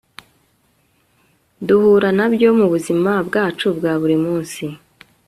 duhura nabyo mubuzima bwacu bwa buri munsi